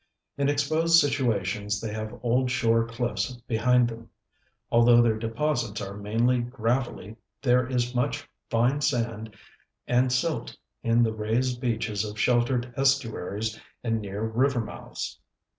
In exposed situations they have old shore cliffs behind them; although their deposits are mainly gravelly there is much fine sand and silt in the raised beaches of sheltered estuaries and near river mouths.